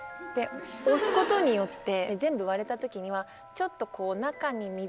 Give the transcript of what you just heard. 押すことによって全部割れた時にはちょっとこう。